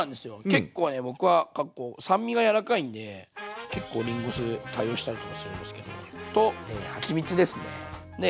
結構ね僕は酸味が柔らかいんで結構りんご酢多用したりとかするんですけどとはちみつですね。